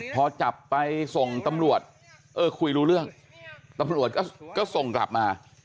พอจับไปส่งตำรวจเออคุยรู้เรื่องตำรวจก็ส่งกลับมา